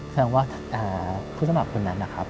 แสดงว่าผู้สมัครคนนั้น